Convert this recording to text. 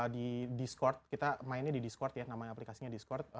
di discord kita mainnya di discord ya namanya aplikasinya discord